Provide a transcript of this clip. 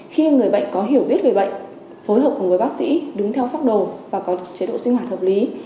khi người bệnh có hiểu biết về bệnh phối hợp cùng với bác sĩ đứng theo phác đồ và có chế độ sinh hoạt hợp lý